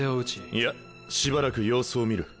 いやしばらく様子を見る。